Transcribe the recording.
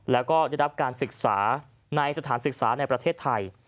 แล้วก็ได้รับการศึกษาในสถานศึกษาในประเทศไทย